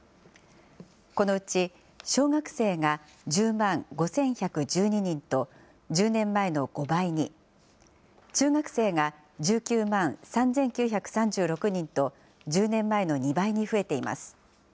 このうち、小学生が１０万５１１２人と１０年前の５倍に、中学生が１９万３９３６人と１０年前の２倍に増えています。